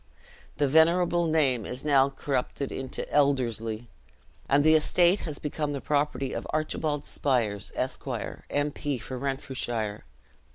The venerable name is now corrupted into Elderslie, and the estate has become the property of Archibald Spiers, Esq., M. P. for Renfrewshire.